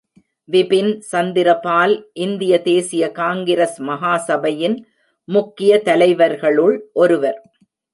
விபின் சந்திரபால், இந்திய தேசிய காங்கிரஸ் மகாசபையின் முக்கிய தலைவர்களுள் ஒருவர்.